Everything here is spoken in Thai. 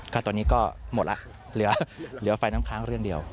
ก็ตอนนี้ก็หมดแล้วเหลือไฟน้ำค้างเรื่องเดียว